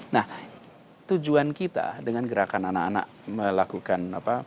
nah tujuan kita dengan gerakan anak anak melakukan apa